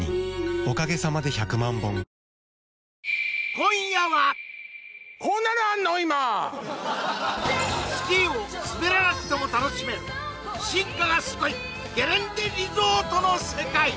今夜の「ｎｅｗｓ２３」はスキーを滑らなくても楽しめる進化がすごいゲレンデリゾートの世界